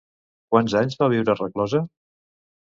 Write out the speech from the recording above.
Quants anys va viure reclosa?